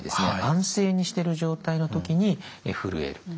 安静にしてる状態の時にふるえる。